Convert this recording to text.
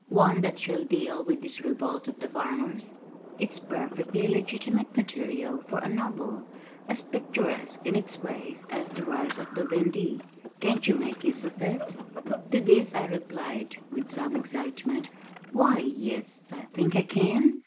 One that shall deal with this revolt of the farmers? It's perfectly legitimate material for a novel, as picturesque in its way as The Rise of the Vendée Can't you make use of it?" To this I replied, with some excitement "Why yes, I think I can.